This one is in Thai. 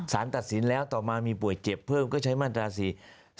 ตัดสินแล้วต่อมามีป่วยเจ็บเพิ่มก็ใช้มาตรา๔๔